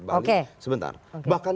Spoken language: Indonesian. bali sebentar bahkan